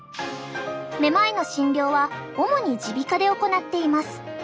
めまいの診療は主に耳鼻科で行っています。